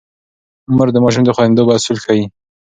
مور د ماشوم د خونديتوب اصول ښيي.